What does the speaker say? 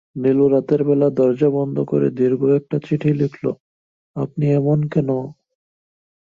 নীলু রাতের বেলা দরজা বন্ধ করে দীর্ঘ একটা চিঠি লিখল-আপনি এমন কেন?